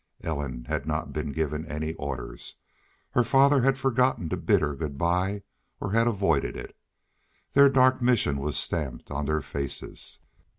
Ellen had not been given any orders. Her father had forgotten to bid her good by or had avoided it. Their dark mission was stamped on their faces.